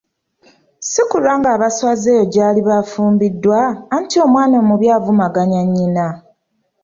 Si kulwanga abaswaza eyo gy'aliba afumbiddwa, anti omwana omubi avumaganya nnyinna.